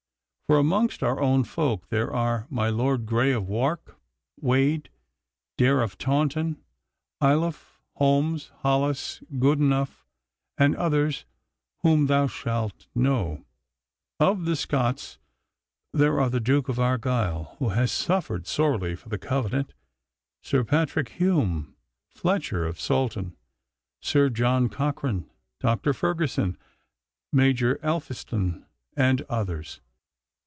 For amongst our own folk there are my Lord Grey of Wark, Wade, Dare of Taunton, Ayloffe, Holmes, Hollis, Goodenough, and others whom thou shalt know. Of the Scots there are the Duke of Argyle, who has suffered sorely for the Covenant, Sir Patrick Hume, Fletcher of Saltoun, Sir John Cochrane, Dr. Ferguson, Major Elphinstone, and others.